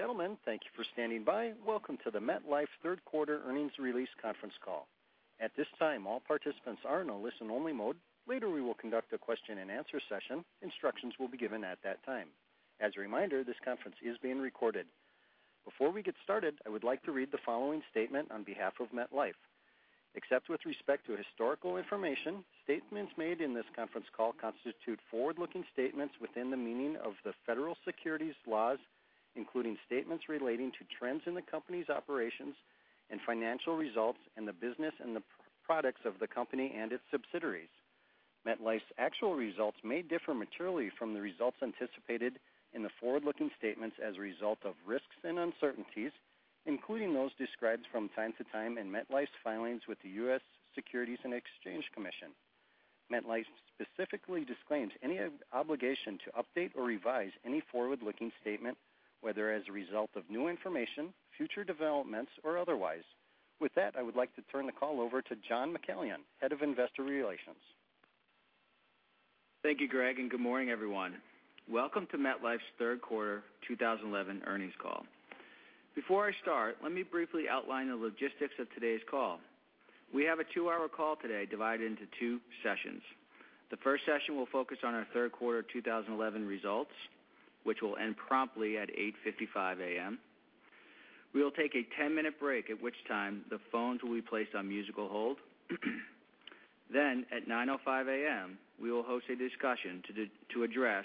Ladies and gentlemen, thank you for standing by. Welcome to the MetLife third quarter earnings release conference call. At this time, all participants are in a listen-only mode. Later, we will conduct a question-and-answer session. Instructions will be given at that time. As a reminder, this conference is being recorded. Before we get started, I would like to read the following statement on behalf of MetLife. Except with respect to historical information, statements made in this conference call constitute forward-looking statements within the meaning of the federal securities laws, including statements relating to trends in the company's operations and financial results and the business and the products of the company and its subsidiaries. MetLife's actual results may differ materially from the results anticipated in the forward-looking statements as a result of risks and uncertainties, including those described from time to time in MetLife's filings with the U.S. Securities and Exchange Commission. MetLife specifically disclaims any obligation to update or revise any forward-looking statement, whether as a result of new information, future developments, or otherwise. With that, I would like to turn the call over to John McCallion, Head of Investor Relations. Thank you, Greg, and good morning, everyone. Welcome to MetLife's third quarter 2011 earnings call. Before I start, let me briefly outline the logistics of today's call. We have a two-hour call today divided into two sessions. The first session will focus on our third quarter 2011 results, which will end promptly at 8:55 A.M. We will take a 10-minute break, at which time the phones will be placed on musical hold. Then at 9:05 A.M., we will host a discussion to address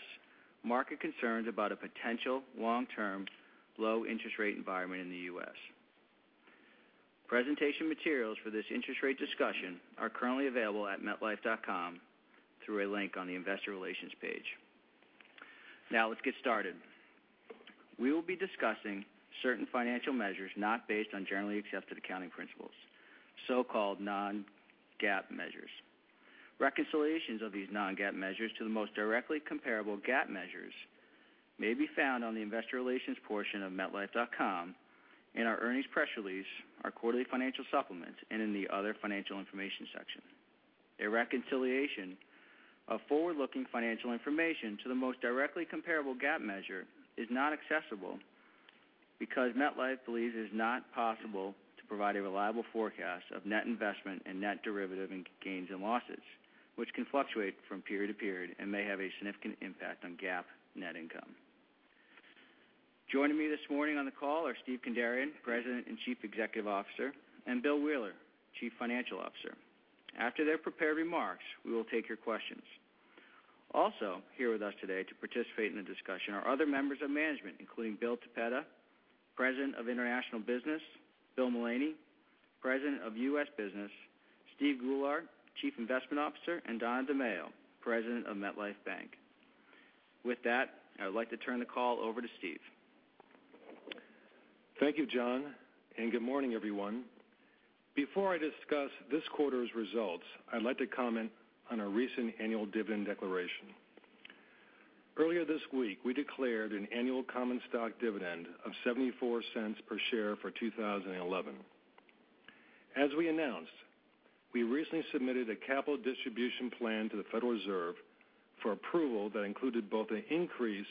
market concerns about a potential long-term low-interest rate environment in the U.S. Presentation materials for this interest rate discussion are currently available at metlife.com through a link on the investor relations page. Now let's get started. We will be discussing certain financial measures not based on Generally Accepted Accounting Principles, so-called non-GAAP measures. Reconciliations of these non-GAAP measures to the most directly comparable GAAP measures may be found on the investor relations portion of metlife.com in our earnings press release, our quarterly financial supplement, and in the other financial information section. A reconciliation of forward-looking financial information to the most directly comparable GAAP measure is not accessible because MetLife believes it is not possible to provide a reliable forecast of net investment and net derivative in gains and losses, which can fluctuate from period to period and may have a significant impact on GAAP net income. Joining me this morning on the call are Steven Kandarian, President and Chief Executive Officer, and Bill Wheeler, Chief Financial Officer. After their prepared remarks, we will take your questions. Also here with us today to participate in the discussion are other members of management, including Bill Toppeta, President of International Business, Bill Mullaney, President of U.S. Business, Steve Goulart, Chief Investment Officer, and Don DeMaio, President of MetLife Bank. With that, I would like to turn the call over to Steve. Thank you, John, and good morning, everyone. Before I discuss this quarter's results, I'd like to comment on our recent annual dividend declaration. Earlier this week, we declared an annual common stock dividend of $0.74 per share for 2011. As we announced, we recently submitted a capital distribution plan to the Federal Reserve for approval that included both an increase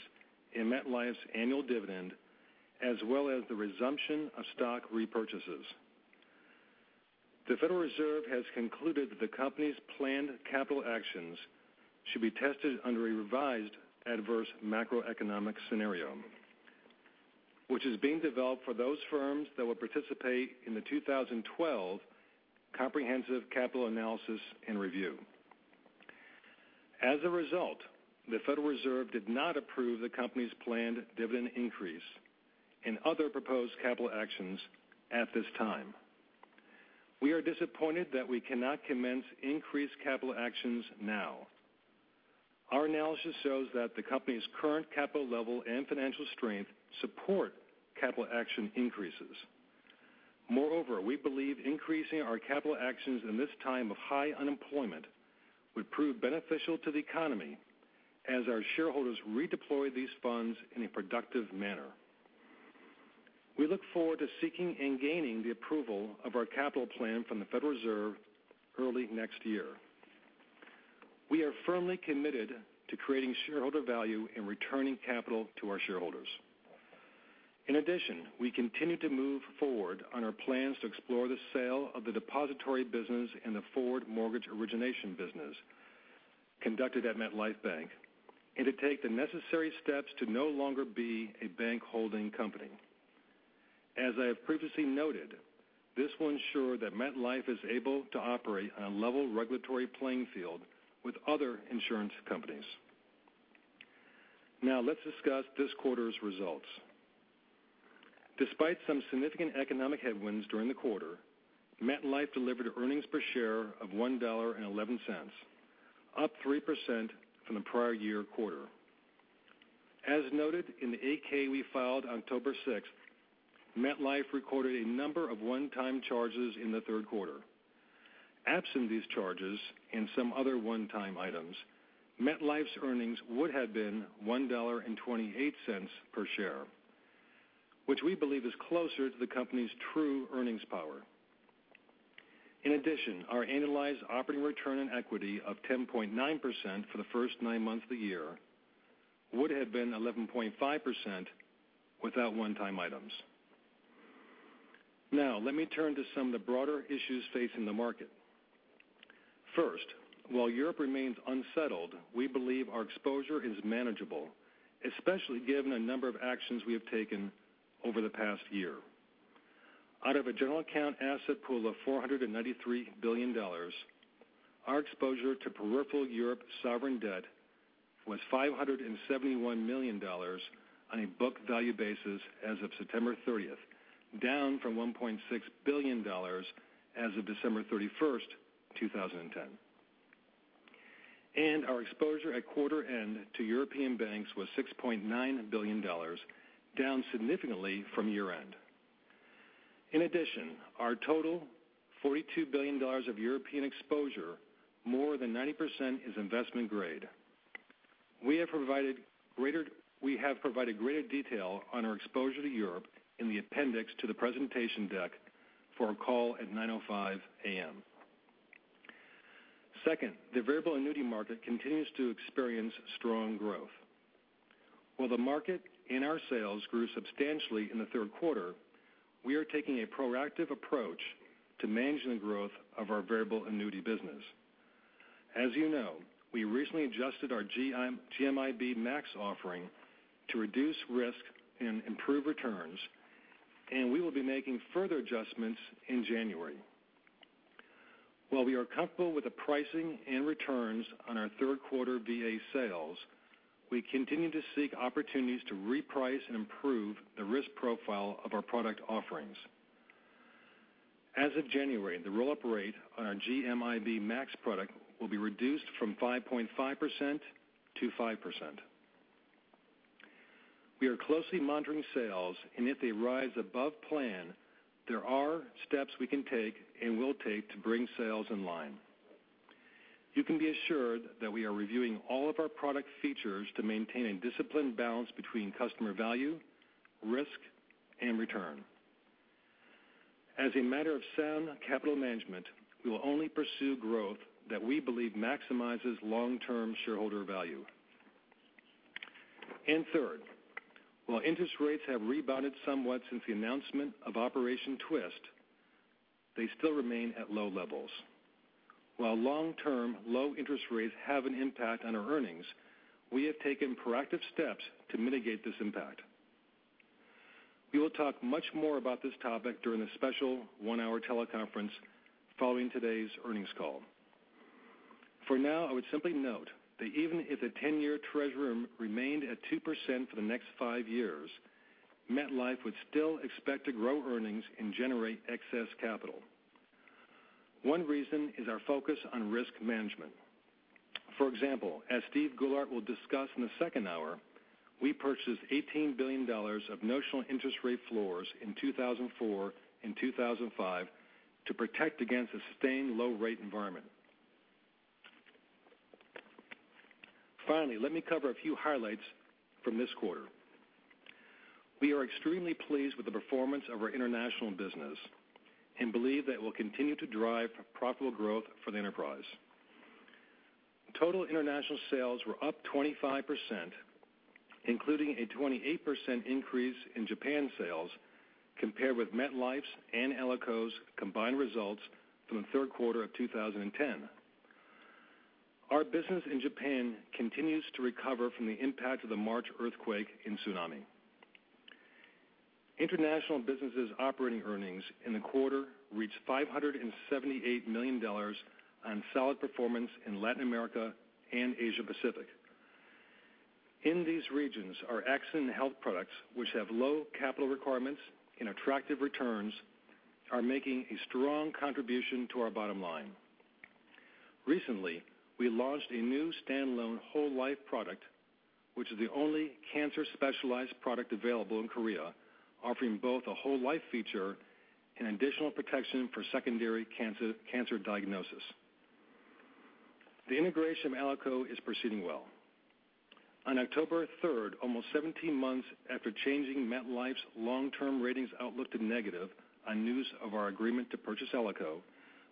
in MetLife's annual dividend as well as the resumption of stock repurchases. The Federal Reserve has concluded that the company's planned capital actions should be tested under a revised adverse macroeconomic scenario, which is being developed for those firms that will participate in the 2012 Comprehensive Capital Analysis and Review. As a result, the Federal Reserve did not approve the company's planned dividend increase and other proposed capital actions at this time. We are disappointed that we cannot commence increased capital actions now. Our analysis shows that the company's current capital level and financial strength support capital action increases. Moreover, we believe increasing our capital actions in this time of high unemployment would prove beneficial to the economy as our shareholders redeploy these funds in a productive manner. We look forward to seeking and gaining the approval of our capital plan from the Federal Reserve early next year. We are firmly committed to creating shareholder value and returning capital to our shareholders. In addition, we continue to move forward on our plans to explore the sale of the depository business and the forward mortgage origination business conducted at MetLife Bank and to take the necessary steps to no longer be a bank holding company. As I have previously noted, this will ensure that MetLife is able to operate on a level regulatory playing field with other insurance companies. Let's discuss this quarter's results. Despite some significant economic headwinds during the quarter, MetLife delivered earnings per share of $1.11, up 3% from the prior year quarter. As noted in the 8-K we filed on October 6th, MetLife recorded a number of one-time charges in the third quarter. Absent these charges and some other one-time items, MetLife's earnings would have been $1.28 per share, which we believe is closer to the company's true earnings power. In addition, our annualized operating return on equity of 10.9% for the first nine months of the year would have been 11.5% without one-time items. Let me turn to some of the broader issues facing the market. First, while Europe remains unsettled, we believe our exposure is manageable, especially given a number of actions we have taken over the past year. Out of a general account asset pool of $493 billion, our exposure to peripheral Europe sovereign debt was $571 million on a book value basis as of September 30th, down from $1.6 billion as of December 31st, 2010. Our exposure at quarter end to European banks was $6.9 billion, down significantly from year-end. In addition, our total $42 billion of European exposure, more than 90% is investment grade. We have provided greater detail on our exposure to Europe in the appendix to the presentation deck for our call at 9:05 A.M. Second, the variable annuity market continues to experience strong growth. While the market in our sales grew substantially in the third quarter, we are taking a proactive approach to managing the growth of our variable annuity business. As you know, we recently adjusted our GMIB Max offering to reduce risk and improve returns. We will be making further adjustments in January. While we are comfortable with the pricing and returns on our third quarter VA sales, we continue to seek opportunities to reprice and improve the risk profile of our product offerings. As of January, the roll-up rate on our GMIB Max product will be reduced from 5.5% to 5%. We are closely monitoring sales. If they rise above plan, there are steps we can take and will take to bring sales in line. You can be assured that we are reviewing all of our product features to maintain a disciplined balance between customer value, risk, and return. As a matter of sound capital management, we will only pursue growth that we believe maximizes long-term shareholder value. Third, while interest rates have rebounded somewhat since the announcement of Operation Twist, they still remain at low levels. While long-term low interest rates have an impact on our earnings, we have taken proactive steps to mitigate this impact. We will talk much more about this topic during the special one-hour teleconference following today's earnings call. For now, I would simply note that even if the 10-year Treasury remained at 2% for the next five years, MetLife would still expect to grow earnings and generate excess capital. One reason is our focus on risk management. For example, as Steve Goulart will discuss in the second hour, we purchased $18 billion of notional interest rate floors in 2004 and 2005 to protect against a sustained low-rate environment. Finally, let me cover a few highlights from this quarter. We are extremely pleased with the performance of our international business and believe that it will continue to drive profitable growth for the enterprise. Total international sales were up 25%, including a 28% increase in Japan sales compared with MetLife's and Alico's combined results from the third quarter of 2010. Our business in Japan continues to recover from the impact of the March earthquake and tsunami. International business' operating earnings in the quarter reached $578 million on solid performance in Latin America and Asia Pacific. In these regions, our accident health products, which have low capital requirements and attractive returns, are making a strong contribution to our bottom line. Recently, we launched a new standalone whole life product, which is the only cancer-specialized product available in Korea, offering both a whole life feature and additional protection for secondary cancer diagnosis. The integration of Alico is proceeding well. On October 3rd, almost 17 months after changing MetLife's long-term ratings outlook to negative on news of our agreement to purchase Alico,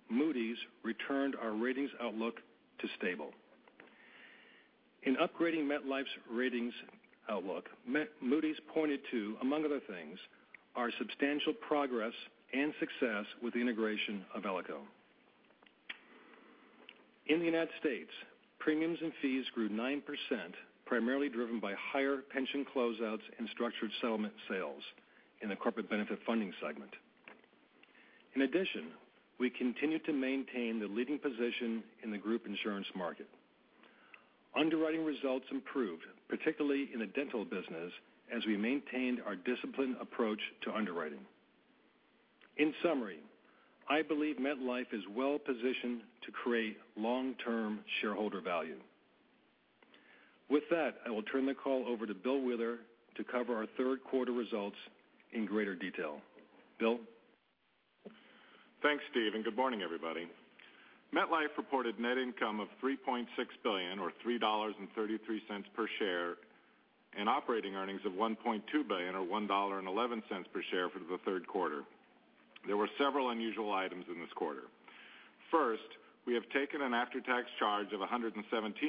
Moody's returned our ratings outlook to stable. In upgrading MetLife's ratings outlook, Moody's pointed to, among other things, our substantial progress and success with the integration of Alico. In the U.S., premiums and fees grew 9%, primarily driven by higher pension closeouts and structured settlement sales in the corporate benefit funding segment. In addition, we continue to maintain the leading position in the group insurance market. Underwriting results improved, particularly in the dental business, as we maintained our disciplined approach to underwriting. In summary, I believe MetLife is well positioned to create long-term shareholder value. With that, I will turn the call over to Bill Wheeler to cover our third quarter results in greater detail. Bill? Thanks, Steve, and good morning, everybody. MetLife reported net income of $3.6 billion or $3.33 per share, and operating earnings of $1.2 billion, or $1.11 per share for the third quarter. There were several unusual items in this quarter. First, we have taken an after-tax charge of $117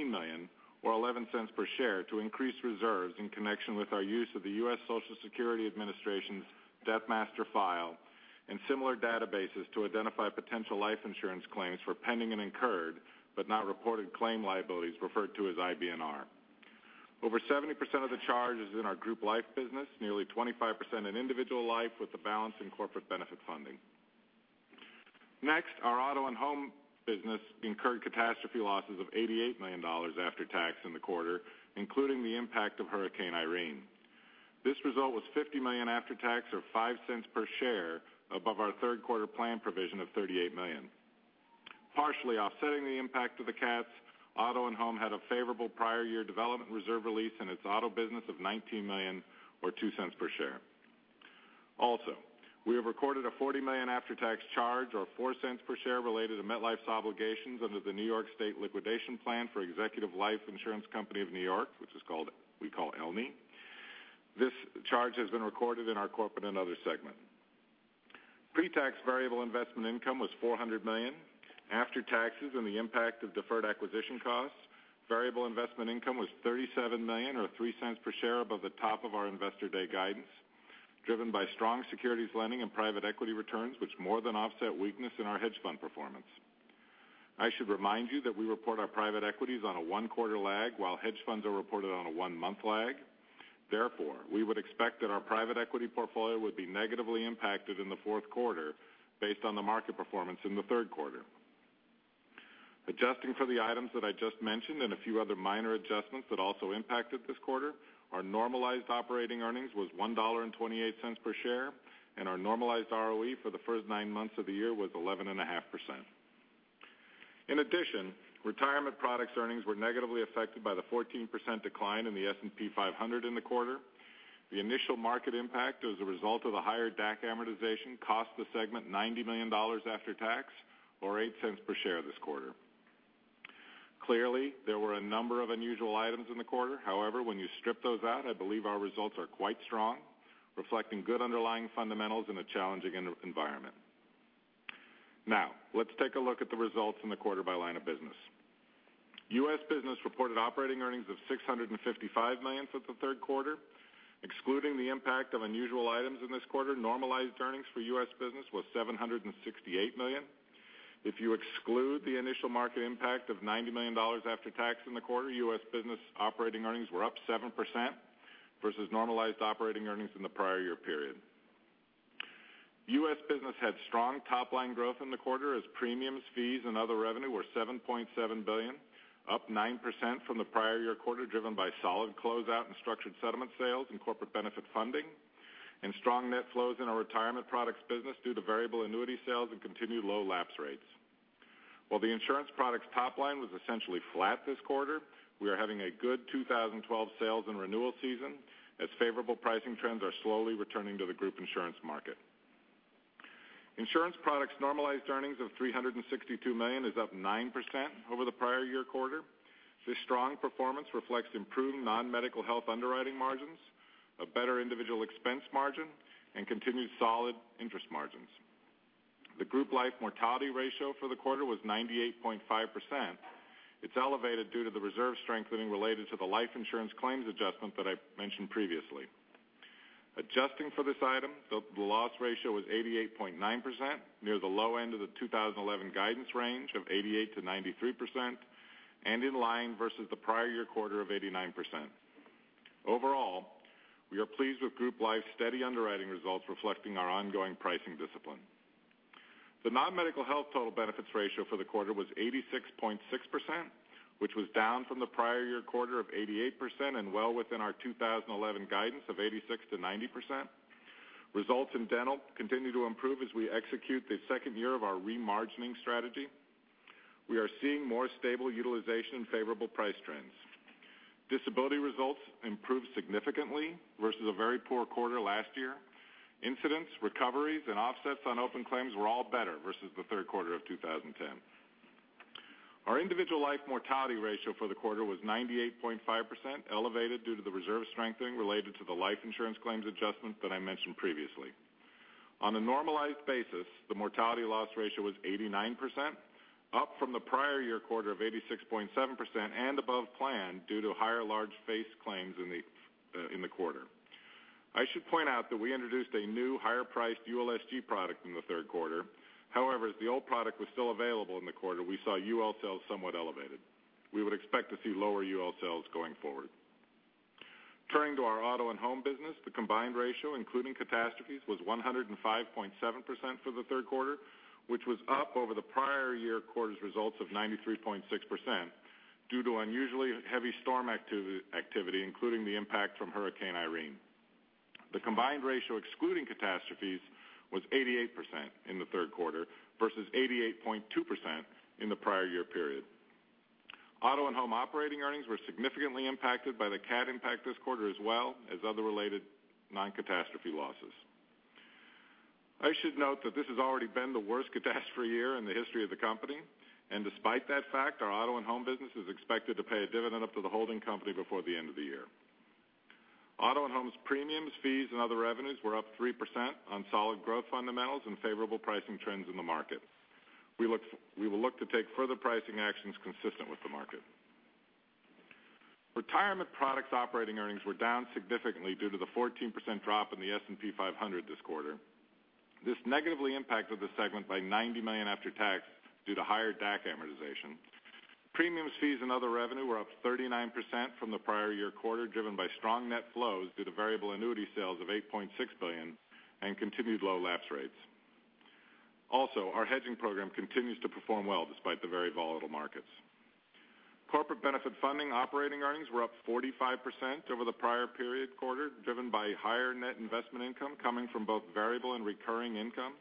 million or $0.11 per share, to increase reserves in connection with our use of the U.S. Social Security Administration's Death Master File, and similar databases to identify potential life insurance claims for pending and incurred, but not reported claim liabilities referred to as IBNR. Over 70% of the charge is in our group life business, nearly 25% in individual life with the balance in corporate benefit funding. Next, our auto and home business incurred catastrophe losses of $88 million after tax in the quarter, including the impact of Hurricane Irene. This result was $50 million after tax, or $0.05 per share above our third quarter plan provision of $38 million. Partially offsetting the impact of the cats, auto and home had a favorable prior year development reserve release in its auto business of $19 million, or $0.02 per share. Also, we have recorded a $40 million after-tax charge, or $0.04 per share related to MetLife's obligations under the New York State liquidation plan for Executive Life Insurance Company of New York, which we call ELNY. This charge has been recorded in our corporate and other segment. Pre-tax variable investment income was $400 million. After taxes and the impact of Deferred Acquisition Costs, variable investment income was $37 million, or $0.03 per share above the top of our Investor Day guidance, driven by strong securities lending and private equity returns, which more than offset weakness in our hedge fund performance. I should remind you that we report our private equities on a one quarter lag, while hedge funds are reported on a one-month lag. Therefore, we would expect that our private equity portfolio would be negatively impacted in the fourth quarter based on the market performance in the third quarter. Adjusting for the items that I just mentioned and a few other minor adjustments that also impacted this quarter, our normalized operating earnings was $1.28 per share, and our normalized ROE for the first nine months of the year was 11.5%. In addition, retirement products earnings were negatively affected by the 14% decline in the S&P 500 in the quarter. The initial market impact, as a result of the higher DAC amortization cost the segment $90 million after tax, or $0.08 per share this quarter. Clearly, there were a number of unusual items in the quarter. However, when you strip those out, I believe our results are quite strong, reflecting good underlying fundamentals in a challenging environment. Let's take a look at the results in the quarter by line of business. U.S. business reported operating earnings of $655 million for the third quarter. Excluding the impact of unusual items in this quarter, normalized earnings for U.S. business was $768 million. If you exclude the initial market impact of $90 million after tax in the quarter, U.S. business operating earnings were up 7% versus normalized operating earnings in the prior year period. U.S. business had strong top-line growth in the quarter as premiums, fees, and other revenue were $7.7 billion, up 9% from the prior year quarter, driven by solid closeout and structured settlement sales and corporate benefit funding, and strong net flows in our retirement products business due to variable annuity sales and continued low lapse rates. While the insurance products top line was essentially flat this quarter, we are having a good 2012 sales and renewal season as favorable pricing trends are slowly returning to the group insurance market. Insurance products normalized earnings of $362 million is up 9% over the prior year quarter. This strong performance reflects improved non-medical health underwriting margins, a better individual expense margin, and continued solid interest margins. The group life mortality ratio for the quarter was 98.5%. It's elevated due to the reserve strengthening related to the life insurance claims adjustment that I mentioned previously. Adjusting for this item, the loss ratio was 88.9%, near the low end of the 2011 guidance range of 88%-93%, and in line versus the prior year quarter of 89%. Overall, we are pleased with group life's steady underwriting results reflecting our ongoing pricing discipline. The non-medical health total benefits ratio for the quarter was 86.6%, which was down from the prior year quarter of 88% and well within our 2011 guidance of 86%-90%. Results in dental continue to improve as we execute the second year of our re-margining strategy. We are seeing more stable utilization and favorable price trends. Disability results improved significantly versus a very poor quarter last year. Incidents, recoveries, and offsets on open claims were all better versus the third quarter of 2010. Our individual life mortality ratio for the quarter was 98.5%, elevated due to the reserve strengthening related to the life insurance claims adjustment that I mentioned previously. On a normalized basis, the mortality loss ratio was 89%, up from the prior year quarter of 86.7% and above plan due to higher large face claims in the quarter. I should point out that we introduced a new higher priced ULSG product in the third quarter. However, as the old product was still available in the quarter, we saw UL sales somewhat elevated. We would expect to see lower UL sales going forward. Turning to our auto and home business, the combined ratio, including catastrophes, was 105.7% for the third quarter, which was up over the prior year quarter's results of 93.6% due to unusually heavy storm activity, including the impact from Hurricane Irene. The combined ratio excluding catastrophes was 88% in the third quarter versus 88.2% in the prior. Auto and home operating earnings were significantly impacted by the cat impact this quarter, as well as other related non-catastrophe losses. I should note that this has already been the worst catastrophe year in the history of the company, and despite that fact, our auto and home business is expected to pay a dividend up to the holding company before the end of the year. Auto and home premiums, fees, and other revenues were up 3% on solid growth fundamentals and favorable pricing trends in the market. We will look to take further pricing actions consistent with the market. Retirement products operating earnings were down significantly due to the 14% drop in the S&P 500 this quarter. This negatively impacted the segment by $90 million after tax due to higher DAC amortization. Premiums, fees, and other revenue were up 39% from the prior year quarter, driven by strong net flows due to variable annuity sales of $8.6 billion and continued low lapse rates. Our hedging program continues to perform well despite the very volatile markets. Corporate benefit funding operating earnings were up 45% over the prior period quarter, driven by higher net investment income coming from both variable and recurring income.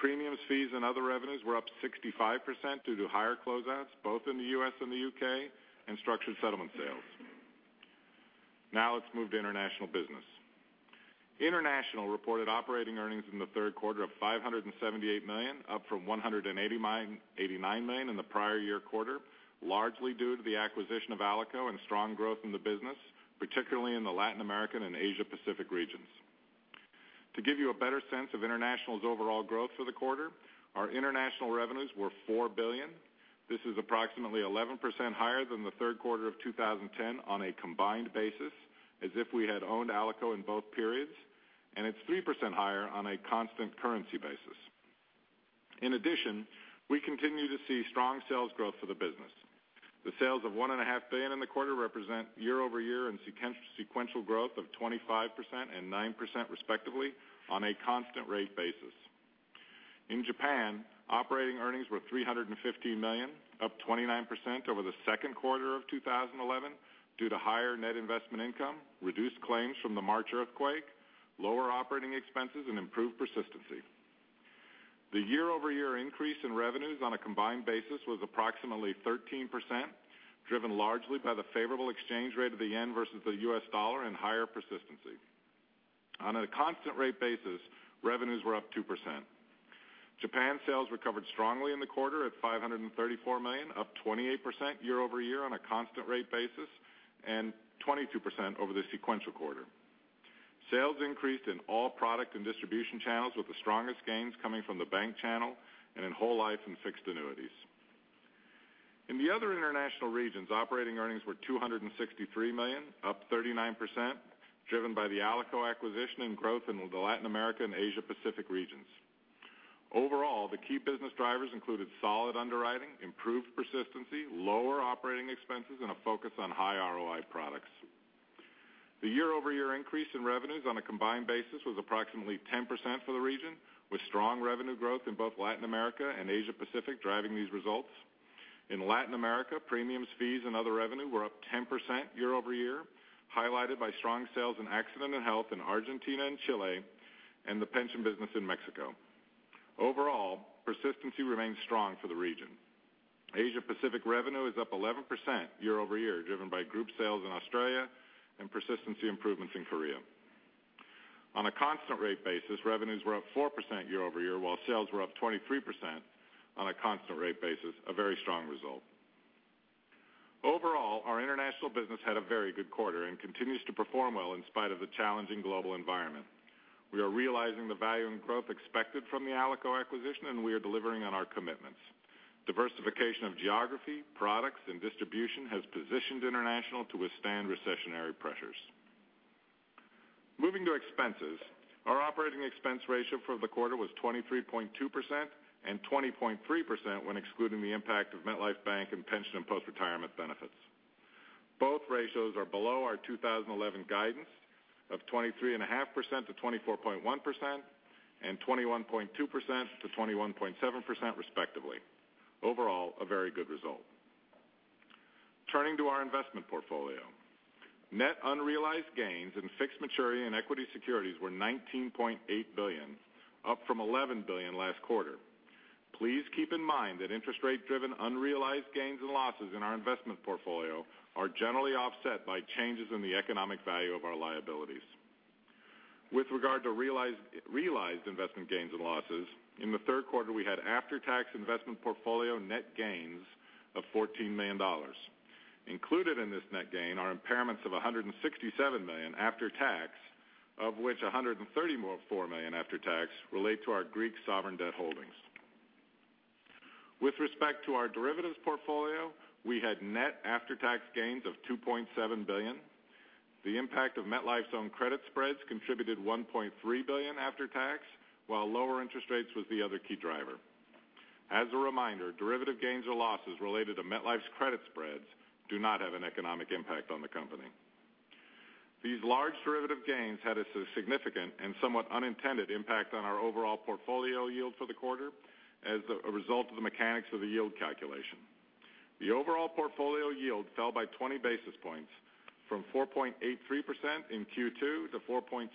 Premiums, fees, and other revenues were up 65% due to higher closeouts both in the U.S. and the U.K., and structured settlement sales. Let's move to international business. International reported operating earnings in the third quarter of $578 million, up from $189 million in the prior year quarter, largely due to the acquisition of Alico and strong growth in the business, particularly in the Latin American and Asia Pacific regions. To give you a better sense of international's overall growth for the quarter, our international revenues were $4 billion. This is approximately 11% higher than the third quarter of 2010 on a combined basis, as if we had owned Alico in both periods, and it's 3% higher on a constant currency basis. We continue to see strong sales growth for the business. The sales of $1.5 billion in the quarter represent year-over-year and sequential growth of 25% and 9% respectively on a constant rate basis. In Japan, operating earnings were $315 million, up 29% over the second quarter of 2011 due to higher net investment income, reduced claims from the March earthquake, lower operating expenses, and improved persistency. The year-over-year increase in revenues on a combined basis was approximately 13%, driven largely by the favorable exchange rate of the JPY versus the U.S. dollar and higher persistency. On a constant rate basis, revenues were up 2%. Japan sales recovered strongly in the quarter at $534 million, up 28% year-over-year on a constant rate basis, and 22% over the sequential quarter. Sales increased in all product and distribution channels, with the strongest gains coming from the bank channel and in whole life and fixed annuities. In the other international regions, operating earnings were $263 million, up 39%, driven by the Alico acquisition and growth in the Latin America and Asia Pacific regions. Overall, the key business drivers included solid underwriting, improved persistency, lower operating expenses, and a focus on high ROI products. The year-over-year increase in revenues on a combined basis was approximately 10% for the region, with strong revenue growth in both Latin America and Asia Pacific driving these results. In Latin America, premiums, fees, and other revenue were up 10% year-over-year, highlighted by strong sales in accident and health in Argentina and Chile, and the pension business in Mexico. Overall, persistency remains strong for the region. Asia Pacific revenue is up 11% year-over-year, driven by group sales in Australia and persistency improvements in Korea. On a constant rate basis, revenues were up 4% year-over-year, while sales were up 23% on a constant rate basis, a very strong result. Overall, our international business had a very good quarter and continues to perform well in spite of the challenging global environment. We are realizing the value and growth expected from the Alico acquisition. We are delivering on our commitments. Diversification of geography, products, and distribution has positioned international to withstand recessionary pressures. Moving to expenses. Our operating expense ratio for the quarter was 23.2% and 20.3% when excluding the impact of MetLife Bank and pension and post-retirement benefits. Both ratios are below our 2011 guidance of 23.5%-24.1% and 21.2%-21.7% respectively. Overall, a very good result. Turning to our investment portfolio. Net unrealized gains in fixed maturity and equity securities were $19.8 billion, up from $11 billion last quarter. Please keep in mind that interest rate-driven unrealized gains and losses in our investment portfolio are generally offset by changes in the economic value of our liabilities. With regard to realized investment gains and losses, in the third quarter, we had after-tax investment portfolio net gains of $14 million. Included in this net gain are impairments of $167 million after tax, of which $134 million after tax relate to our Greek sovereign debt holdings. With respect to our derivatives portfolio, we had net after-tax gains of $2.7 billion. The impact of MetLife's own credit spreads contributed $1.3 billion after tax, while lower interest rates was the other key driver. As a reminder, derivative gains or losses related to MetLife's credit spreads do not have an economic impact on the company. These large derivative gains had a significant and somewhat unintended impact on our overall portfolio yield for the quarter as a result of the mechanics of the yield calculation. The overall portfolio yield fell by 20 basis points from 4.83% in Q2 to 4.63%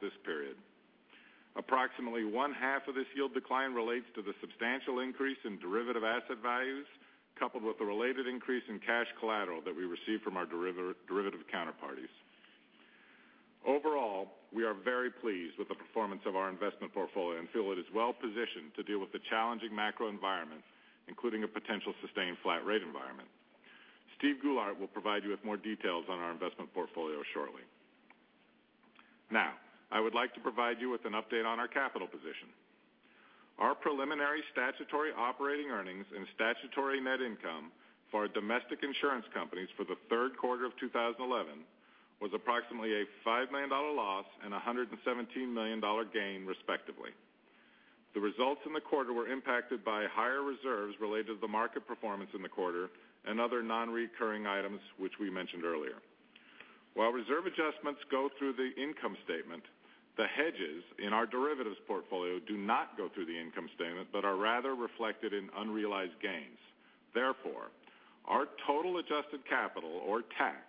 this period. Approximately one half of this yield decline relates to the substantial increase in derivative asset values, coupled with the related increase in cash collateral that we receive from our derivative counterparties. Overall, we are very pleased with the performance of our investment portfolio and feel it is well-positioned to deal with the challenging macro environment, including a potential sustained flat rate environment. Steve Goulart will provide you with more details on our investment portfolio shortly. I would like to provide you with an update on our capital position. Our preliminary statutory operating earnings and statutory net income for our domestic insurance companies for the third quarter of 2011 was approximately a $5 million loss and $117 million gain, respectively. The results in the quarter were impacted by higher reserves related to the market performance in the quarter and other non-recurring items, which we mentioned earlier. While reserve adjustments go through the income statement, the hedges in our derivatives portfolio do not go through the income statement, but are rather reflected in unrealized gains. Therefore, our total adjusted capital, or TAC,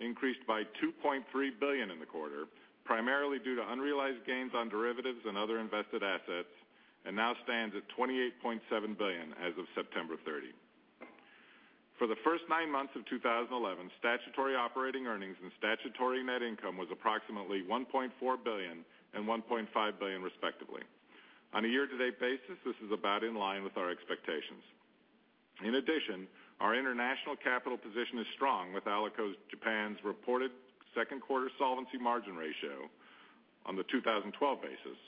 increased by $2.3 billion in the quarter, primarily due to unrealized gains on derivatives and other invested assets, and now stands at $28.7 billion as of September 30. For the first nine months of 2011, statutory operating earnings and statutory net income was approximately $1.4 billion and $1.5 billion respectively. On a year-to-date basis, this is about in line with our expectations. In addition, our international capital position is strong with Alico Japan's reported second quarter solvency margin ratio on the 2012 basis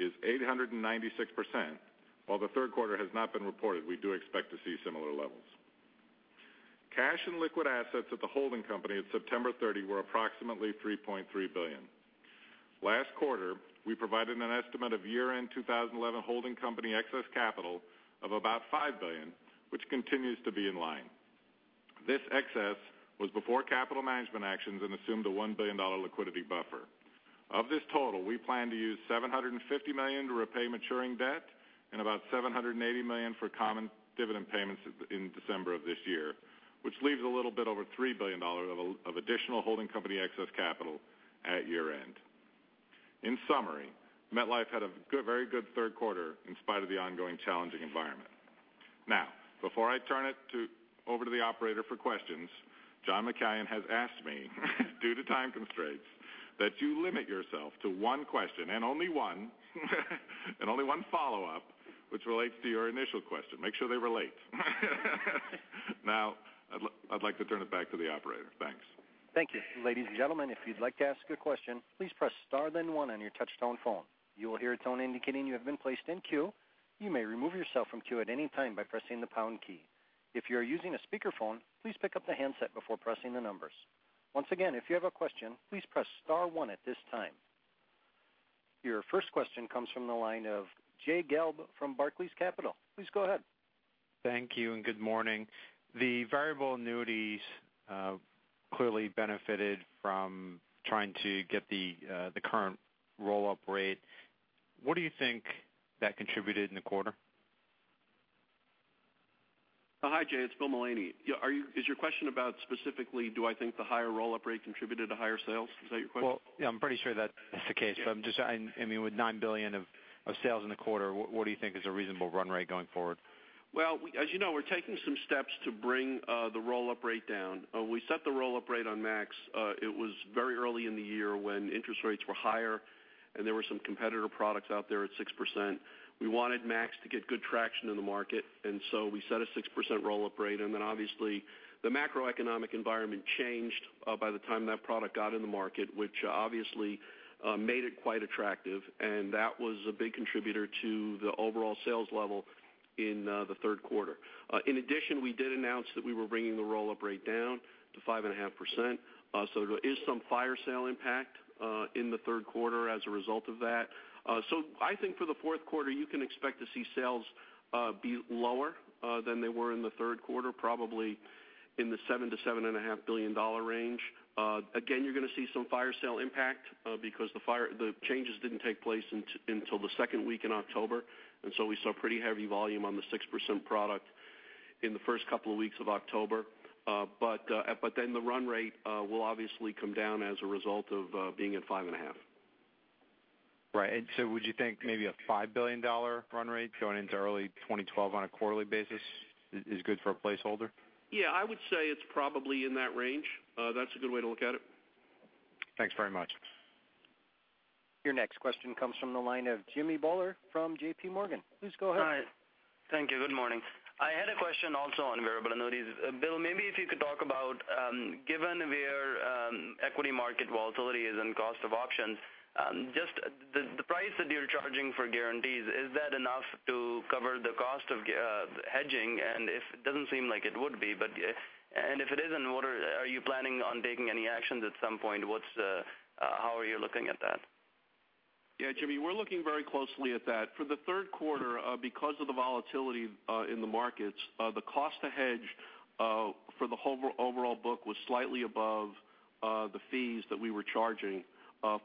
is 896%, while the third quarter has not been reported, we do expect to see similar levels. Cash and liquid assets at the holding company at September 30 were approximately $3.3 billion. Last quarter, we provided an estimate of year-end 2011 holding company excess capital of about $5 billion, which continues to be in line. This excess was before capital management actions and assumed a $1 billion liquidity buffer. Of this total, we plan to use $750 million to repay maturing debt and about $780 million for common dividend payments in December of this year, which leaves a little bit over $3 billion of additional holding company excess capital at year-end. In summary, MetLife had a very good third quarter in spite of the ongoing challenging environment. Now, before I turn it over to the operator for questions, John McCallion has asked me due to time constraints, that you limit yourself to one question and only one follow-up, which relates to your initial question. Make sure they relate. Now, I'd like to turn it back to the operator. Thanks. Thank you. Ladies and gentlemen, if you'd like to ask a question, please press star then one on your touchtone phone. You will hear a tone indicating you have been placed in queue. You may remove yourself from queue at any time by pressing the pound key. If you are using a speakerphone, please pick up the handset before pressing the numbers. Once again, if you have a question, please press star one at this time. Your first question comes from the line of Jay Gelb from Barclays Capital. Please go ahead. Thank you and good morning. The variable annuities clearly benefited from trying to get the current roll-up rate. What do you think that contributed in the quarter? Hi, Jay, it's Bill Mullaney. Is your question about specifically do I think the higher roll-up rate contributed to higher sales? Is that your question? Well, yeah, I'm pretty sure that's the case, but I'm just, with $9 billion of sales in the quarter, what do you think is a reasonable run rate going forward? Well, as you know, we're taking some steps to bring the roll-up rate down. We set the roll-up rate on MAX, it was very early in the year when interest rates were higher, and there were some competitor products out there at 6%. We wanted MAX to get good traction in the market, and so we set a 6% roll-up rate, and then obviously the macroeconomic environment changed by the time that product got in the market, which obviously made it quite attractive, and that was a big contributor to the overall sales level in the third quarter. In addition, we did announce that we were bringing the roll-up rate down to 5.5%, so there is some fire sale impact in the third quarter as a result of that. I think for the fourth quarter, you can expect to see sales be lower than they were in the third quarter, probably in the $7 billion-$7.5 billion range. Again, you're going to see some fire sale impact because the changes didn't take place until the second week in October, and so we saw pretty heavy volume on the 6% product in the first couple of weeks of October. The run rate will obviously come down as a result of being at 5.5%. Right. Would you think maybe a $5 billion run rate going into early 2012 on a quarterly basis is good for a placeholder? Yeah, I would say it's probably in that range. That's a good way to look at it. Thanks very much. Your next question comes from the line of Jimmy Bhullar from JPMorgan. Please go ahead. Hi. Thank you. Good morning. I had a question also on variable annuities. Bill, maybe if you could talk about, given where equity market volatility is and cost of options, just the price that you're charging for guarantees, is that enough to cover the cost of hedging? It doesn't seem like it would be. If it isn't, are you planning on taking any actions at some point? How are you looking at that? Yeah, Jimmy, we're looking very closely at that. For the third quarter, because of the volatility in the markets, the cost to hedge for the overall book was slightly above the fees that we were charging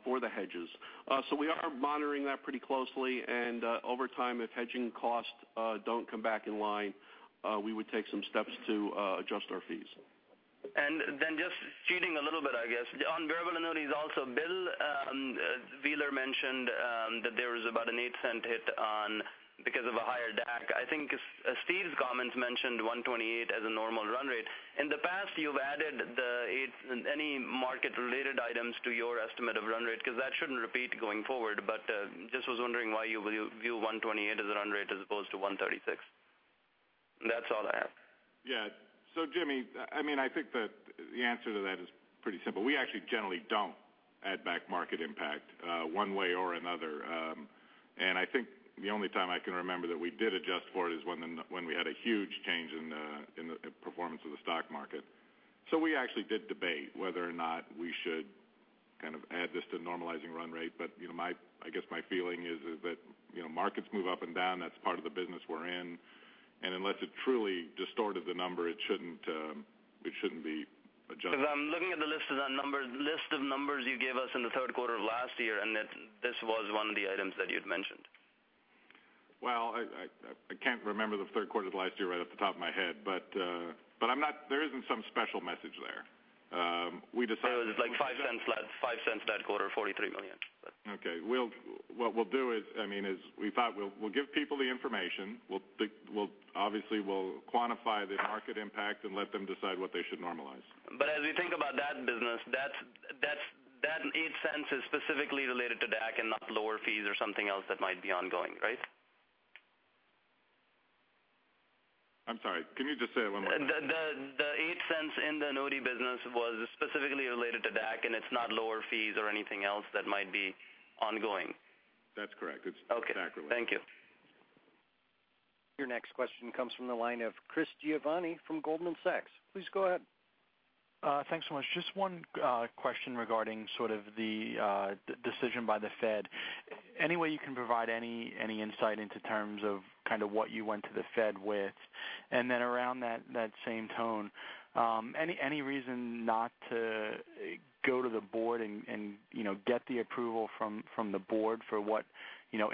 for the hedges. We are monitoring that pretty closely, and over time, if hedging costs don't come back in line, we would take some steps to adjust our fees. Just cheating a little bit, I guess, on variable annuities also, Bill Wheeler mentioned that there was about a $0.08 hit because of a higher DAC. I think Steve's comments mentioned 128 as a normal run rate. In the past, you've added any market-related items to your estimate of run rate, because that shouldn't repeat going forward. Just was wondering why you view 128 as a run rate as opposed to 136. That's all I have. Yeah. Jimmy, I think that the answer to that is pretty simple. We actually generally don't add back market impact, one way or another. I think the only time I can remember that we did adjust for it is when we had a huge change in the performance of the stock market. I guess my feeling is that markets move up and down. That's part of the business we're in, and unless it truly distorted the number, it shouldn't be adjusted. I'm looking at the list of numbers you gave us in the third quarter of last year, this was one of the items that you'd mentioned. Well, I can't remember the third quarter of last year right off the top of my head, there isn't some special message there. It was like $0.05 that quarter, $43 million. Okay. What we'll do is, we thought we'll give people the information. Obviously, we'll quantify the market impact and let them decide what they should normalize. As you think about that business, that $0.08 is specifically related to DAC and not lower fees or something else that might be ongoing, right? I'm sorry, can you just say it one more time? The $0.08 in the annuity business was specifically related to DAC, and it's not lower fees or anything else that might be ongoing. That's correct. Okay DAC related. Thank you. Your next question comes from the line of Chris Giovanni from Goldman Sachs. Please go ahead. Thanks so much. Just one question regarding sort of the decision by the Fed. Any way you can provide any insight into terms of kind of what you went to the Fed with? Around that same tone, any reason not to go to the board and get the approval from the board for what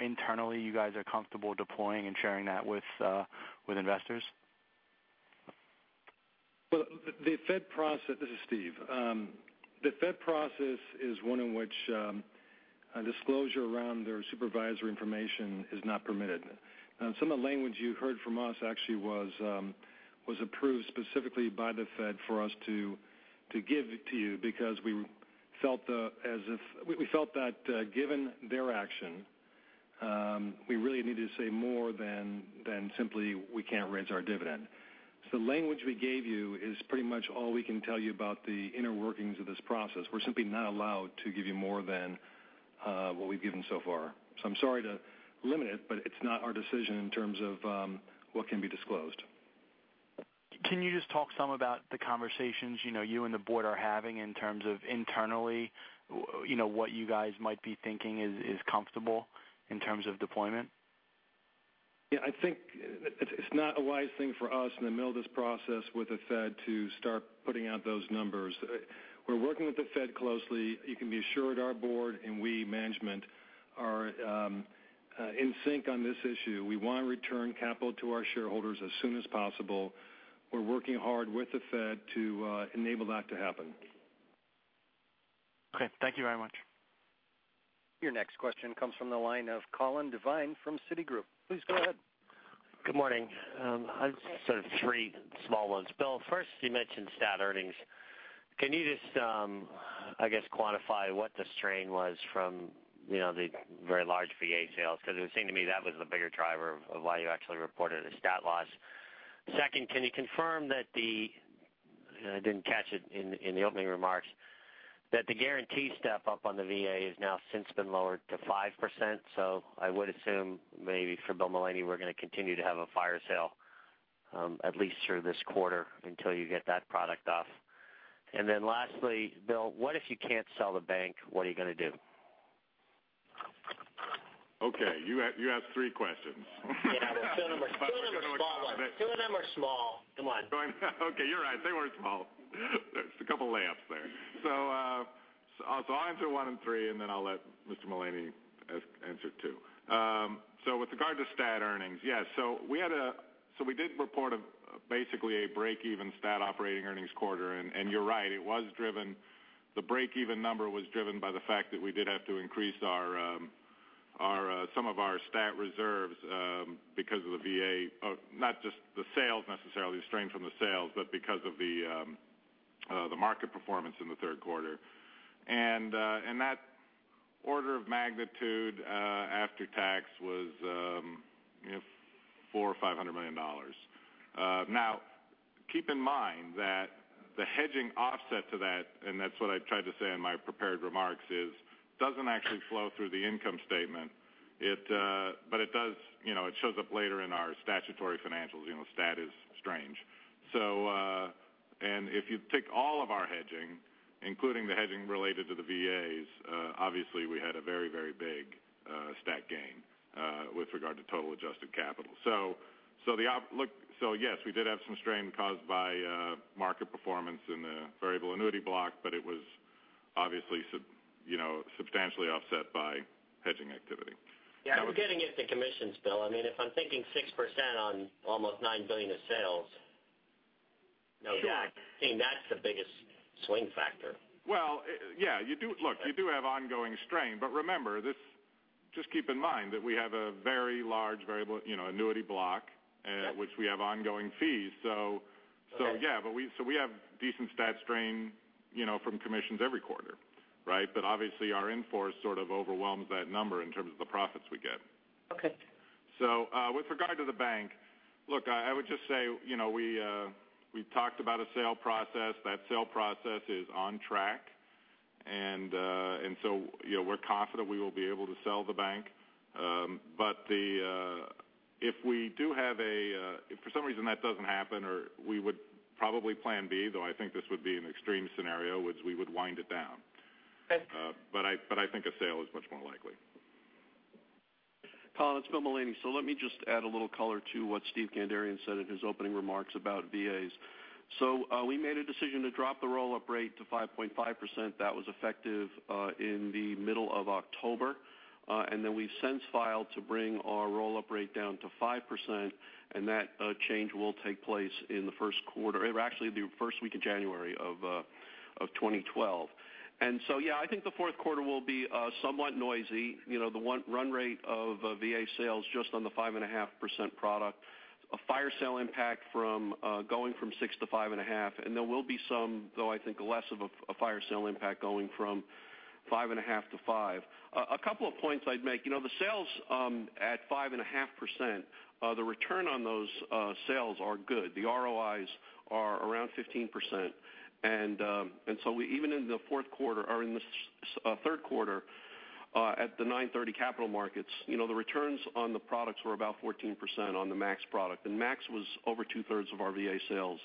internally you guys are comfortable deploying and sharing that with investors? Well, this is Steve. The Fed process is one in which disclosure around their supervisory information is not permitted. Some of the language you heard from us actually was approved specifically by the Fed for us to give to you because we felt that given their action, we really needed to say more than simply we can't raise our dividend. The language we gave you is pretty much all we can tell you about the inner workings of this process. We're simply not allowed to give you more than what we've given so far. I'm sorry to limit it, but it's not our decision in terms of what can be disclosed. Can you just talk some about the conversations you and the board are having in terms of internally, what you guys might be thinking is comfortable in terms of deployment? Yeah, I think it's not a wise thing for us in the middle of this process with the Fed to start putting out those numbers. We're working with the Fed closely. You can be assured our board and we management are in sync on this issue. We want to return capital to our shareholders as soon as possible. We're working hard with the Fed to enable that to happen. Okay. Thank you very much. Your next question comes from the line of Colin Devine from Citigroup. Please go ahead. Good morning. I have sort of three small ones. Bill, first you mentioned stat earnings. Can you just, I guess, quantify what the strain was from the very large VA sales? It would seem to me that was the bigger driver of why you actually reported a stat loss. Second, can you confirm that the I didn't catch it in the opening remarks, that the guarantee step up on the VA has now since been lowered to 5%? I would assume maybe for Bill Mullaney, we're going to continue to have a fire sale at least through this quarter until you get that product off. Lastly, Bill, what if you can't sell the bank? What are you going to do? Okay. You asked three questions. Yeah. Two of them are small ones. Two of them are small. Come on. Okay. You're right, they were small. Just a couple layups there. I'll answer one and three, and then I'll let Mr. Mullaney answer two. With regard to stat earnings, yes. We did report basically a break-even stat operating earnings quarter, and you're right, the break-even number was driven by the fact that we did have to increase some of our stat reserves because of the VA. Not just the sales necessarily, the strain from the sales, but because of the market performance in the third quarter. That order of magnitude after tax was $400 or $500 million. Now, keep in mind that the hedging offset to that, and that's what I tried to say in my prepared remarks, is it doesn't actually flow through the income statement. It shows up later in our statutory financials. Stat is strange. If you take all of our hedging, including the hedging related to the VAs, obviously we had a very big stat gain with regard to total adjusted capital. Yes, we did have some strain caused by market performance in the variable annuity block, but it was Obviously substantially offset by hedging activity. Yeah. We're getting at the commissions, Bill. If I'm thinking 6% on almost $9 billion of sales, that's the biggest swing factor. Well, yeah. Look, you do have ongoing strain, remember, just keep in mind that we have a very large annuity block at which we have ongoing fees. Okay. Yeah. We have decent stat strain from commissions every quarter. Obviously our M4 sort of overwhelms that number in terms of the profits we get. Okay. With regard to the bank, look, I would just say, we talked about a sale process. That sale process is on track. We're confident we will be able to sell the bank. If for some reason that doesn't happen or we would probably plan B, though I think this would be an extreme scenario, which we would wind it down. Okay. I think a sale is much more likely. Colin, it's Bill Mullaney. Let me just add a little color to what Steven Kandarian said in his opening remarks about VAs. We made a decision to drop the roll-up rate to 5.5%. That was effective in the middle of October. We've since filed to bring our roll-up rate down to 5%, and that change will take place in the first quarter, or actually the first week of January of 2012. Yeah, I think the fourth quarter will be somewhat noisy. The run rate of VA sales just on the 5.5% product, a fire sale impact from going from 6% to 5.5%. There will be some, though I think less of a fire sale impact going from 5.5% to 5%. A couple of points I'd make. The sales at 5.5%, the return on those sales are good. The ROIs are around 15%. Even in the fourth quarter or in the third quarter, at the 9/30 capital markets, the returns on the products were about 14% on the Max product, and Max was over two-thirds of our VA sales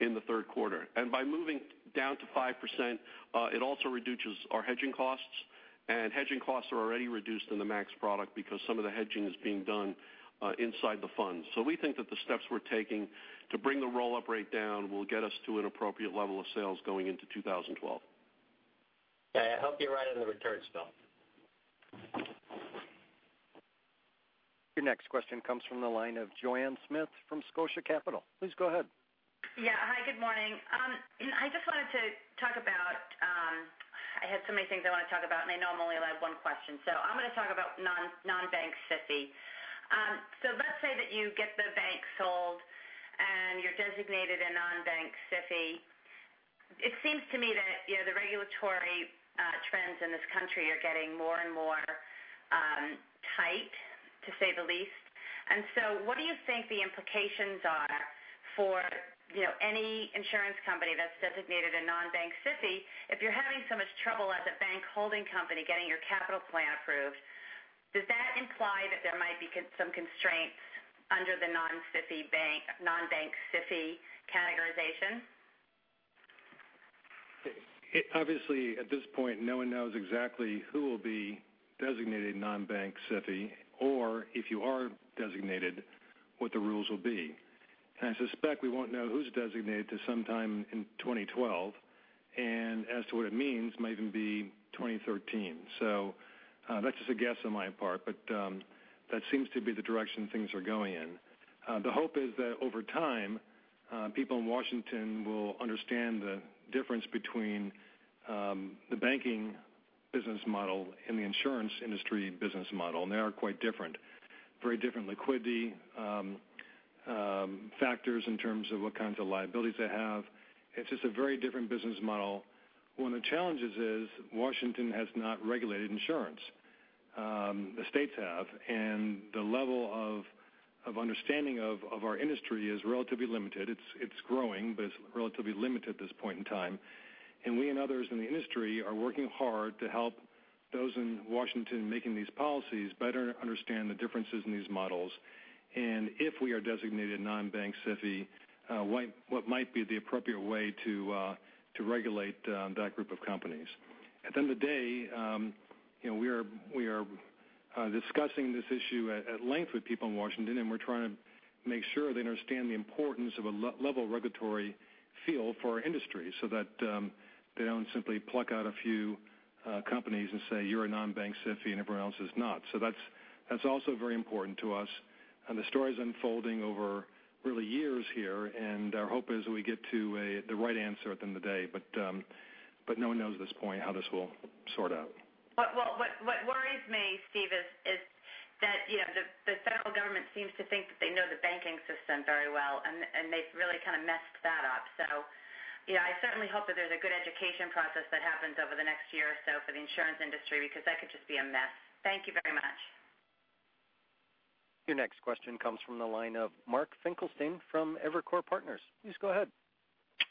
in the third quarter. By moving down to 5%, it also reduces our hedging costs, and hedging costs are already reduced in the Max product because some of the hedging is being done inside the fund. We think that the steps we're taking to bring the roll-up rate down will get us to an appropriate level of sales going into 2012. Okay. I hope you're right on the returns, Bill. Your next question comes from the line of Joanne Smith from Scotia Capital. Please go ahead. Yeah. Hi, good morning. I had so many things I want to talk about, I know I'm only allowed one question, I'm going to talk about non-bank SIFI. Let's say that you get the bank sold and you're designated a non-bank SIFI. It seems to me that the regulatory trends in this country are getting more and more tight, to say the least. What do you think the implications are for any insurance company that's designated a non-bank SIFI? If you're having so much trouble as a bank holding company getting your capital plan approved, does that imply that there might be some constraints under the non-bank SIFI categorization? Obviously, at this point, no one knows exactly who will be designated non-bank SIFI or if you are designated, what the rules will be. I suspect we won't know who's designated until sometime in 2012. As to what it means, might even be 2013. That's just a guess on my part, but that seems to be the direction things are going in. The hope is that over time people in Washington will understand the difference between the banking business model and the insurance industry business model, and they are quite different. Very different liquidity factors in terms of what kinds of liabilities they have. It's just a very different business model. One of the challenges is Washington has not regulated insurance. The states have, and the level of understanding of our industry is relatively limited. It's growing, but it's relatively limited at this point in time. We and others in the industry are working hard to help those in Washington making these policies better understand the differences in these models, and if we are designated non-bank SIFI, what might be the appropriate way to regulate that group of companies. At the end of the day, we are discussing this issue at length with people in Washington, and we're trying to make sure they understand the importance of a level regulatory feel for our industry so that they don't simply pluck out a few companies and say, "You're a non-bank SIFI and everyone else is not." That's also very important to us. The story's unfolding over really years here, and our hope is we get to the right answer at the end of the day. No one knows at this point how this will sort out. What worries me, Steve, is that the federal government seems to think that they know the banking system very well, they've really kind of messed that up. I certainly hope that there's a good education process that happens over the next year or so for the insurance industry because that could just be a mess. Thank you very much. Your next question comes from the line of Mark Finkelstein from Evercore Partners. Please go ahead.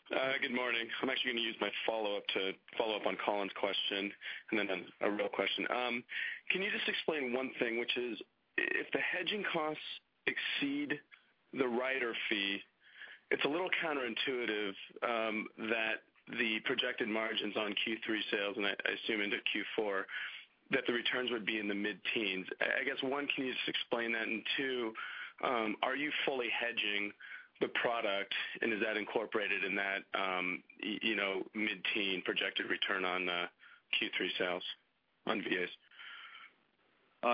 Good morning. I'm actually going to use my follow-up to follow up on Colin's question and then a real question. Can you just explain one thing, which is if the hedging costs exceed the rider fee, it's a little counterintuitive that the projected margins on Q3 sales and I assume into Q4, that the returns would be in the mid-teens. I guess, one, can you just explain that? Two, are you fully hedging the product, and is that incorporated in that mid-teen projected return on Q3 sales on VAs?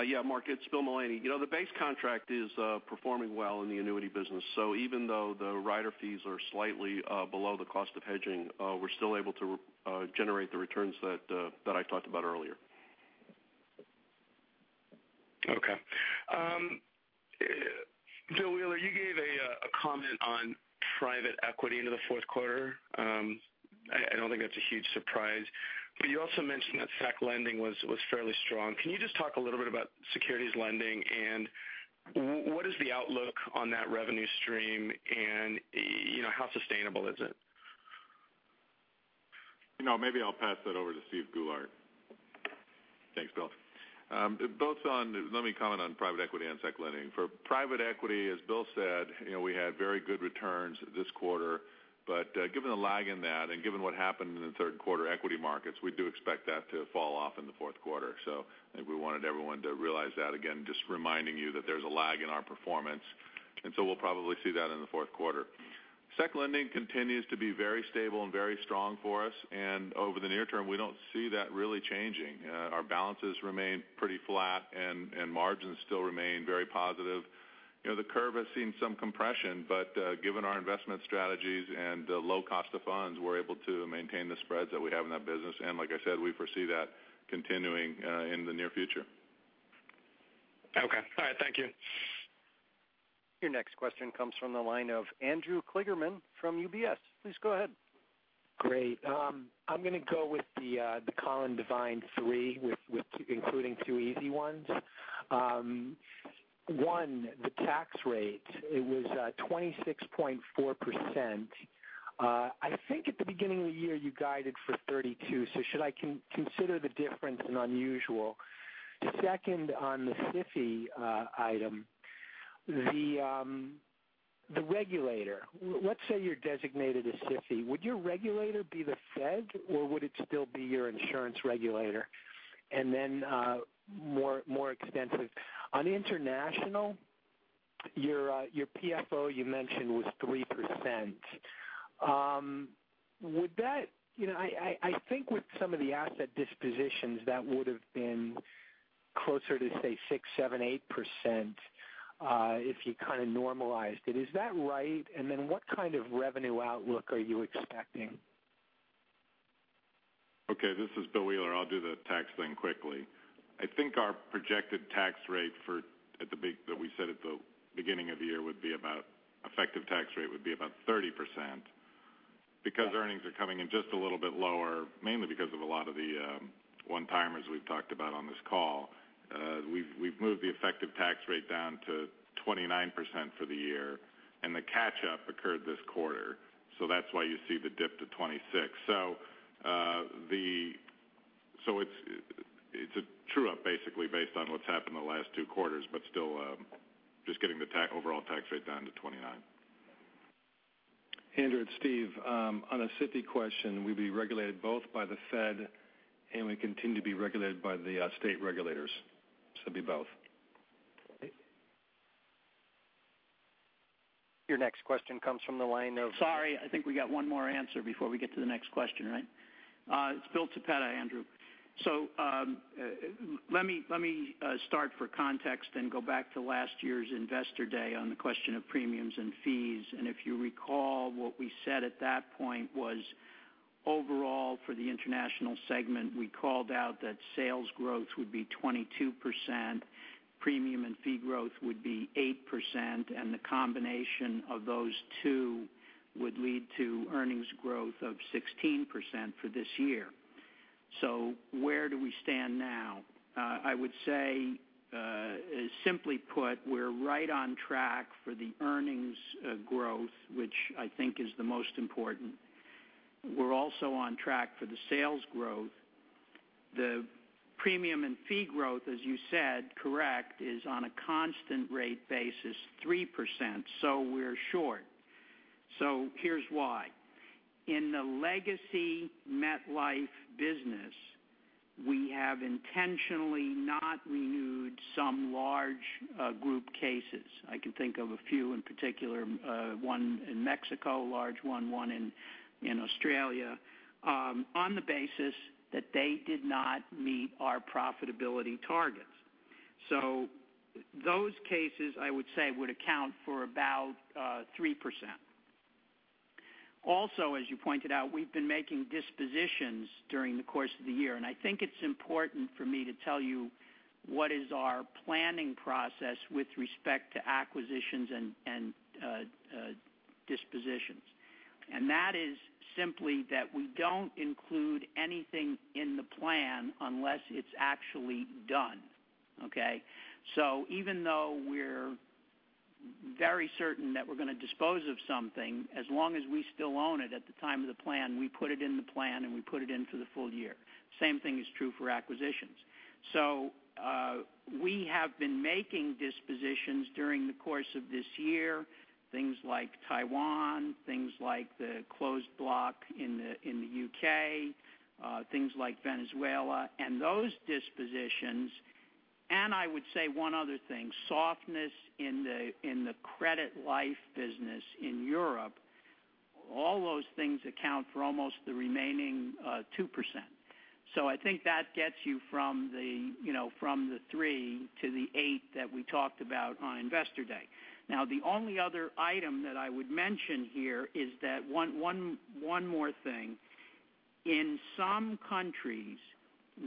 Yeah, Mark, it's Bill Mullaney. The base contract is performing well in the annuity business, even though the rider fees are slightly below the cost of hedging, we're still able to generate the returns that I talked about earlier. Okay. Bill Wheeler, you gave a comment on private equity into the fourth quarter. I don't think that's a huge surprise, but you also mentioned that Securities lending was fairly strong. Can you just talk a little bit about Securities lending, and what is the outlook on that revenue stream, and how sustainable is it? Maybe I'll pass that over to Steven Goulart. Thanks, Bill. Let me comment on private equity and Securities lending. For private equity, as Bill said, we had very good returns this quarter, but given the lag in that and given what happened in the third quarter equity markets, we do expect that to fall off in the fourth quarter. I think we wanted everyone to realize that. Again, just reminding you that there's a lag in our performance, and so we'll probably see that in the fourth quarter. Securities lending continues to be very stable and very strong for us, and over the near term, we don't see that really changing. Our balances remain pretty flat, and margins still remain very positive. The curve has seen some compression, but given our investment strategies and the low cost of funds, we're able to maintain the spreads that we have in that business. Like I said, we foresee that continuing in the near future. Okay. All right. Thank you. Your next question comes from the line of Andrew Kligerman from UBS. Please go ahead. Great. I'm going to go with the Colin Devine three, including two easy ones. One, the tax rate. It was 26.4%. I think at the beginning of the year, you guided for 32. Should I consider the difference an unusual? Second, on the SIFI item, the regulator. Let's say you're designated a SIFI, would your regulator be the Fed, or would it still be your insurance regulator? More extensive. On international, your PFO you mentioned was 3%. I think with some of the asset dispositions, that would've been closer to say, 6%, 7%, 8% if you kind of normalized it. Is that right? What kind of revenue outlook are you expecting? Okay. This is Bill Wheeler. I'll do the tax thing quickly. I think our projected tax rate that we said at the beginning of the year would be about effective tax rate would be about 30%. Because earnings are coming in just a little bit lower, mainly because of a lot of the one-timers we've talked about on this call, we've moved the effective tax rate down to 29% for the year, and the catch-up occurred this quarter, so that's why you see the dip to 26. It's a true-up, basically, based on what's happened in the last two quarters, but still just getting the overall tax rate down to 29. Andrew, it's Steve. On a SIFI question, we'd be regulated both by the Fed, and we continue to be regulated by the state regulators. It'd be both. Okay. Your next question comes from the line of- Sorry, I think we got one more answer before we get to the next question, right? It's Bill Toppeta, Andrew. Let me start for context and go back to last year's Investor Day on the question of premiums and fees. If you recall, what we said at that point was overall for the international segment, we called out that sales growth would be 22%, premium and fee growth would be 8%, and the combination of those two would lead to earnings growth of 16% for this year. Where do we stand now? I would say, simply put, we're right on track for the earnings growth, which I think is the most important. We're also on track for the sales growth. The premium and fee growth, as you said, correct, is on a constant rate basis, 3%, we're short. Here's why. In the legacy MetLife business, we have intentionally not renewed some large group cases. I can think of a few in particular, one in Mexico, a large one in Australia, on the basis that they did not meet our profitability targets. Those cases, I would say, would account for about 3%. Also, as you pointed out, we've been making dispositions during the course of the year, and I think it's important for me to tell you what is our planning process with respect to acquisitions and dispositions. That is simply that we don't include anything in the plan unless it's actually done. Okay? Even though we're very certain that we're going to dispose of something, as long as we still own it at the time of the plan, we put it in the plan, and we put it in for the full year. Same thing is true for acquisitions. We have been making dispositions during the course of this year, things like Taiwan, things like the closed block in the U.K., things like Venezuela and those dispositions, and I would say one other thing, softness in the credit life business in Europe, all those things account for almost the remaining 2%. I think that gets you from the three to the eight that we talked about on Investor Day. The only other item that I would mention here is that one more thing. In some countries,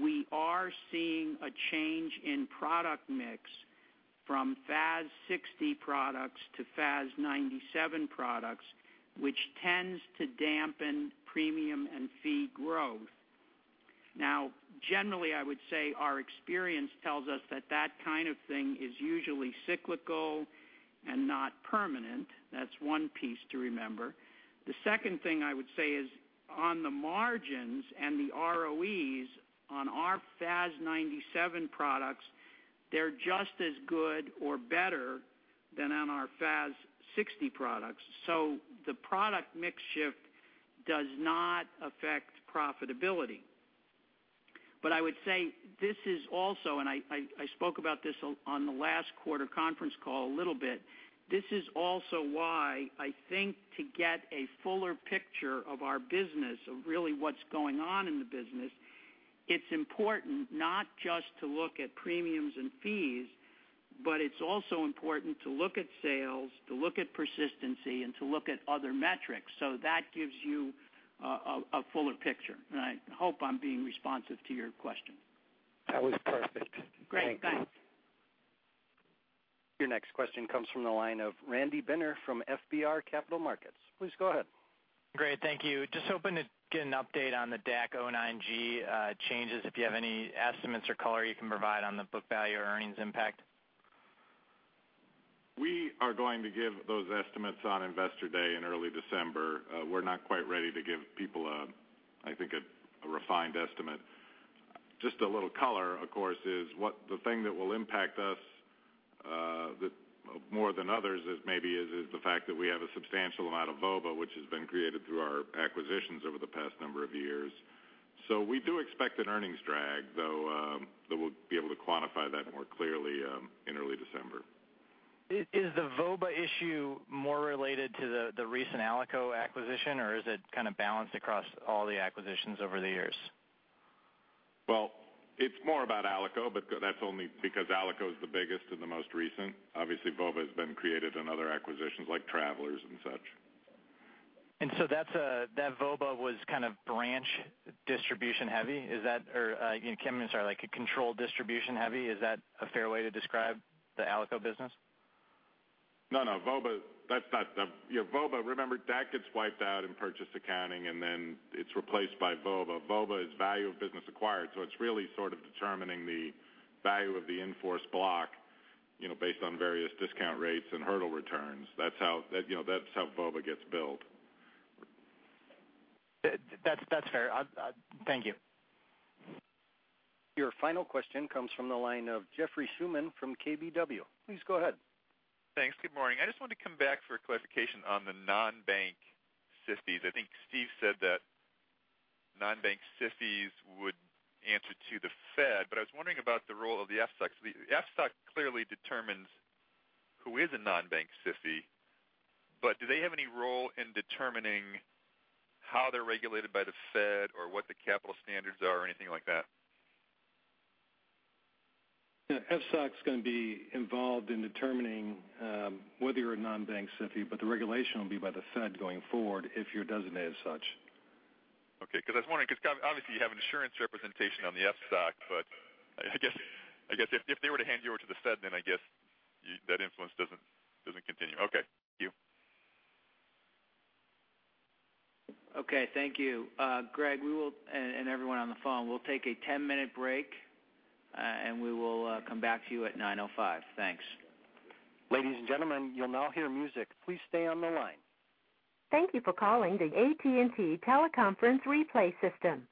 we are seeing a change in product mix from FAS 60 products to FAS 97 products, which tends to dampen premium and fee growth. Generally, I would say our experience tells us that that kind of thing is usually cyclical and not permanent. That's one piece to remember. The second thing I would say is on the margins and the ROEs on our FAS 97 products, they're just as good or better than on our FAS 60 products. The product mix shift does not affect profitability. I would say this is also, and I spoke about this on the last quarter conference call a little bit, this is also why I think to get a fuller picture of our business, of really what's going on in the business, it's important not just to look at premiums and fees, but it's also important to look at sales, to look at persistency, and to look at other metrics. That gives you a fuller picture. I hope I'm being responsive to your question. That was perfect. Great. Thanks. Your next question comes from the line of Randy Binner from FBR Capital Markets. Please go ahead. Great. Thank you. Just hoping to get an update on the DAC 09-G changes, if you have any estimates or color you can provide on the book value or earnings impact. We are going to give those estimates on Investor Day in early December. We're not quite ready to give people, I think, a refined estimate. Just a little color, of course, is what the thing that will impact us more than others is maybe the fact that we have a substantial amount of VOBA, which has been created through our acquisitions over the past number of years. We do expect an earnings drag, though we'll be able to quantify that more clearly in early December. Is the VOBA issue more related to the recent Alico acquisition, or is it kind of balanced across all the acquisitions over the years? It's more about Alico, but that's only because Alico is the biggest and the most recent. Obviously, VOBA has been created in other acquisitions like Travelers and such. That VOBA was kind of branch distribution heavy. Or I'm sorry, like a control distribution heavy. Is that a fair way to describe the Alico business? No, VOBA, remember, DAC gets wiped out in purchase accounting, and then it's replaced by VOBA. VOBA is value of business acquired. It's really sort of determining the value of the in-force block based on various discount rates and hurdle returns. That's how VOBA gets built. That's fair. Thank you. Your final question comes from the line of Jeffrey Schuman from KBW. Please go ahead. Thanks. Good morning. I just wanted to come back for clarification on the non-bank SIFIs. I think Steve said that non-bank SIFIs would answer to the Fed. I was wondering about the role of the FSOC. The FSOC clearly determines who is a non-bank SIFI. Do they have any role in determining how they're regulated by the Fed or what the capital standards are or anything like that? FSOC's going to be involved in determining whether you're a non-bank SIFI. The regulation will be by the Fed going forward if you're designated as such. Okay. I was wondering because obviously you have insurance representation on the FSOC. I guess if they were to hand you over to the Fed, I guess that influence doesn't continue. Okay. Thank you. Okay. Thank you. Greg, we will, and everyone on the phone, we'll take a 10-minute break, and we will come back to you at 9:05. Thanks. Ladies and gentlemen, you'll now hear music. Please stay on the line. Thank you for calling the AT&T Teleconference Replay System